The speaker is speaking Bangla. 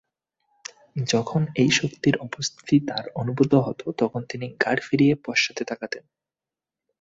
যখন এই শক্তির উপস্থিতি তাঁর অনুভূত হত তখন তিনি ঘাড় ফিরিয়ে পশ্চাতে তাকাতেন।